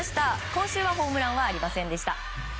今週はホームランはありませんでした。